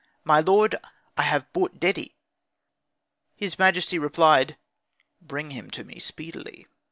My lord, I have brought Dedi." His majesty replied, "Bring him to me speedily."